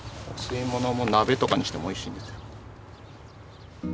鍋とかにしてもおいしいんですよ。